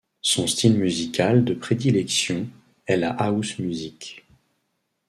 Son style musical de prédilection est la house music.